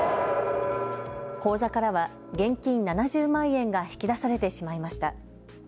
口座からは現金７０万円が引き出されてしまいました。